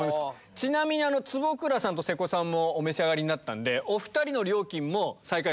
ちなみに坪倉さんと瀬古さんもお召し上がりになったんで。